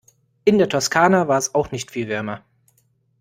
In der Toskana war es auch nicht viel wärmer.